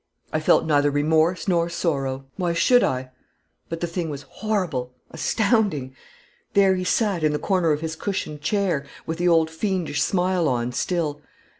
I felt neither remorse nor sorrow why should I? but the thing was horrible, astounding. There he sat in the corner of his cushioned chair, with the old fiendish smile on still.